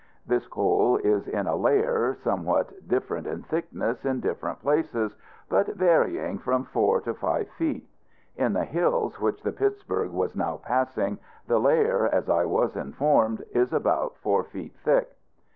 This coal is in a layer, somewhat different in thickness in different places, but varying from four to five feet. In the hills which the Pittsburg was now passing, the layer, as I was informed, is about four feet thick.